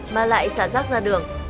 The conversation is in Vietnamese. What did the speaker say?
mà lại xả rác ra đường